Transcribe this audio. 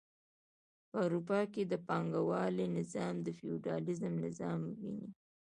په اروپا کې د پانګوالۍ نظام د فیوډالیزم ځای ونیو.